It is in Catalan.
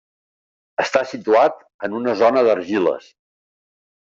Està situat en una zona d'argiles.